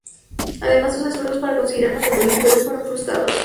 Además, sus esfuerzos para conseguir armas en Bolivia y Perú fueron frustrados.